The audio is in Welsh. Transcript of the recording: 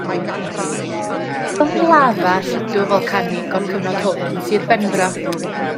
Gwelir lafa a lludw folcanig o'r cyfnod hwn yn Sir Benfro.